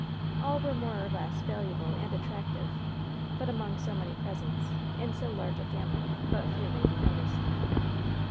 All were more or less valuable and attractive, but among so many presents, in so large a family, but few may be noticed.